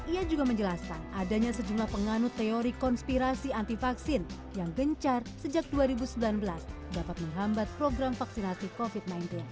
ia juga menjelaskan adanya sejumlah penganut teori konspirasi anti vaksin yang gencar sejak dua ribu sembilan belas dapat menghambat program vaksinasi covid sembilan belas